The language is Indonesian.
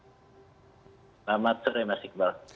selamat sore mas iqbal